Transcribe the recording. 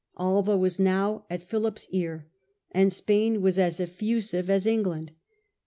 Alva was now at Philip's ear, and Spain was as effusive as England.